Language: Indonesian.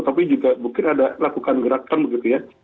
tapi juga mungkin ada lakukan gerakan begitu ya